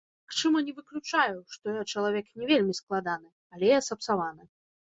Я, магчыма, не выключаю, што я чалавек не вельмі складаны, яле я сапсаваны.